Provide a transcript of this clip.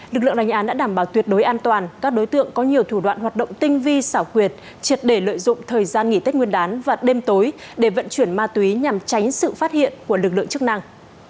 lực lượng đánh án đã đảm bảo tuyệt đối an toàn các đối tượng có nhiều thủ đoạn hoạt động tinh vi xảo quyệt triệt để lợi dụng thời gian nghỉ tết nguyên đán và đêm tối để vận chuyển ma túy nhằm tránh sự phát hiện của lực lượng chức năng